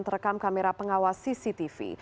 terekam kamera pengawas cctv